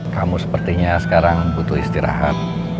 kamu sepertinya sekarang butuh istirahat